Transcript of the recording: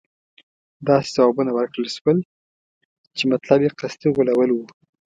داسې ځوابونه ورکړل شول چې مطلب یې قصدي غولول وو.